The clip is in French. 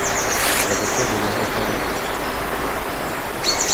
La voiture démarra au quart de tour.